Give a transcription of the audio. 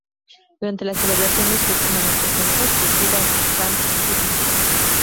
Durante la celebración de su última noche juntos, sus vidas dan un giro inesperado.